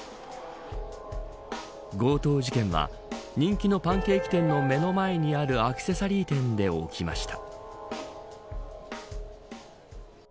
強盗事件は人気のパンケーキ店の目の前にあるアクセサリー店で起きました。